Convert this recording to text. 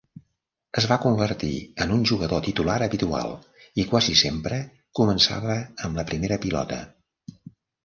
Es va convertir en un jugador titular habitual i quasi sempre començava amb la primera pilota.